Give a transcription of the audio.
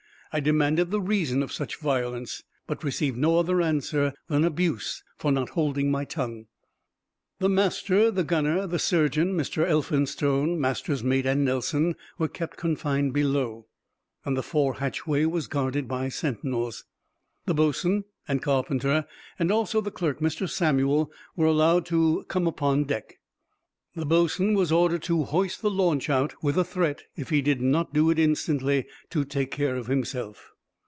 I demanded the reason of such violence, but received no other answer than abuse for not holding my tongue. The master, the gunner, the surgeon, Mr. Elphinstone, master's mate, and Nelson, were kept confined below, and the fore hatchway was guarded by sentinels. The boatswain and carpenter, and also the clerk, Mr. Samuel, were allowed to come upon deck. The boatswain was ordered to hoist the launch out, with a threat if he did not do it instantly to take care of himself.